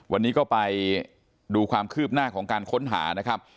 วันนี้ก็ไปดูความคืบหน้าของการค้นหานะครับ